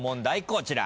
こちら。